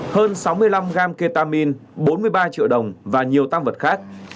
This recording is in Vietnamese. hơn sáu mươi năm gram ketamin bốn mươi ba triệu đồng và nhiều tam vật khác